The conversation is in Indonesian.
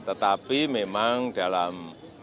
tetapi memang dalam